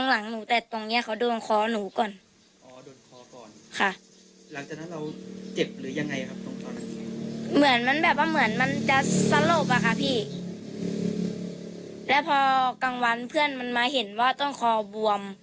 แล้วพอกลางวันเพื่อนมันมาเห็นว่าต้นคอบวม